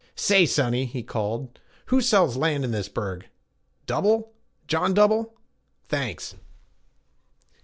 'Say, sonny,' he called; 'who sells land in this burg? Dubell John Dubell? Thanks.'